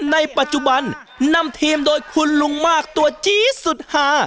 ในปัจจุบันนำทีมโดยคุณลุงมากตัวจี๊ดสุดหา